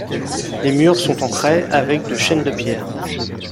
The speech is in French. Les murs sont en craie, avec de chaînes de pierre.